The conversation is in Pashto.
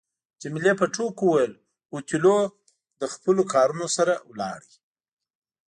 جميله په ټوکو وویل اوتیلو له خپلو کارونو سره ولاړ.